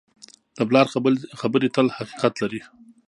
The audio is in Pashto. د پلار خبرې تل حقیقت لري.